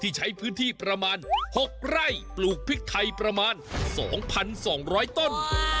ที่ใช้พื้นที่ประมาณหกไร้ปลูกพริกไทยประมาณสองพันสองร้อยต้น